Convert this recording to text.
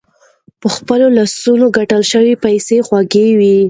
په خپلو لاسونو ګتلي پیسې خوږې وي.